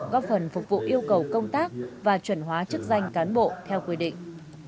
góp phần phục vụ yêu cầu công tác và chuẩn hóa chức danh cán bộ theo quy định